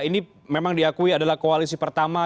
ini memang diakui adalah koalisi pertama